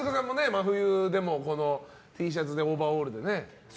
真冬でＴシャツでオーバーオールでね。